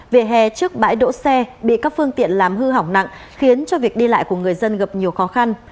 về hè trước bãi đỗ xe bị các phương tiện làm hư hỏng nặng khiến cho việc đi lại của người dân gặp nhiều khó khăn